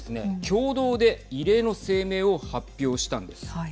共同で異例の声明を発表したんです。